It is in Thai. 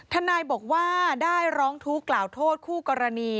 ทนายบอกว่าได้ร้องทุกข์กล่าวโทษคู่กรณี